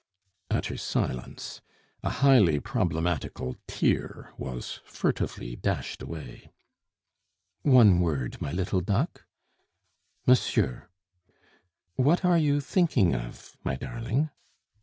Utter silence. A highly problematical tear was furtively dashed away. "One word, my little duck?" "Monsieur!" "What are you thinking of, my darling?"